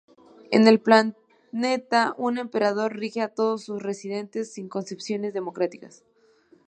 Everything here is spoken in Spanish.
En el planeta, un emperador rige a todos sus residentes sin concepciones democráticas.